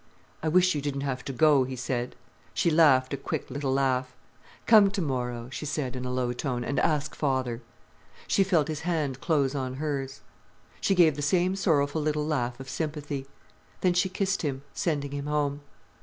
"I wish you didn't have to go," he said. She laughed a quick little laugh. "Come tomorrow," she said, in a low tone, "and ask father." She felt his hand close on hers. She gave the same sorrowful little laugh of sympathy. Then she kissed him, sending him home.